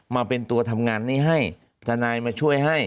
มาเป็นตัวทำงานนี้ให้ทนายมาช่วยให้